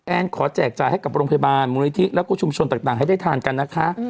ขอแจกจ่ายให้กับโรงพยาบาลมูลนิธิแล้วก็ชุมชนต่างให้ได้ทานกันนะคะ